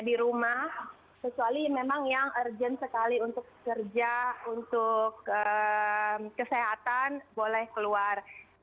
di rumah kecuali memang yang urgent sekali untuk kerja untuk kesehatan boleh keluar